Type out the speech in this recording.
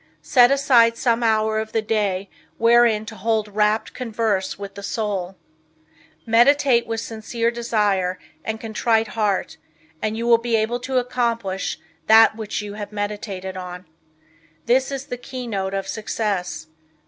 Set aside some hour of the day, wherein to hold rapt converse with the soul. Meditate with sincere desire and contrite heart and you will be able to accomplish that which you have meditated on. This is the keynote of success.